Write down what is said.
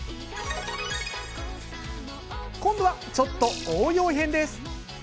今度は、ちょっと応用編です。